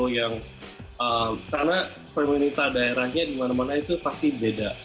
karena kriminalitas daerahnya di mana mana itu pasti beda